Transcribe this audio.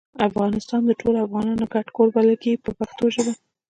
افغانستان د ټولو افغانانو ګډ کور بلل کیږي په پښتو ژبه.